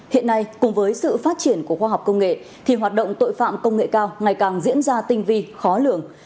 hiện nay cùng với sự phát triển của khoa học công nghệ thì hoạt động tội phạm công nghệ cao ngày càng diễn ra tinh vi khó lường